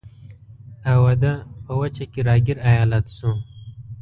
اَوَد په وچه کې را ګیر ایالت شو.